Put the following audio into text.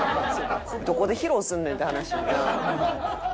どこで披露すんねんって話やんな。